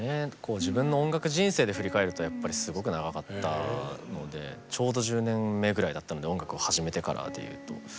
自分の音楽人生で振り返るとやっぱりすごく長かったのでちょうど１０年目ぐらいだったので音楽を始めてからでいうと。